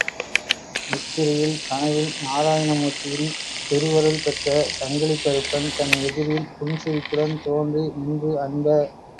நித்திரையில் கனவில், நாராயணமூர்த்தியின் திருவருள்பெற்ற சங்கிலிக்கறுப்பன் தன் எதிரில் புன்சிரிப்புடன் தோன்றி நின்று அன்ப!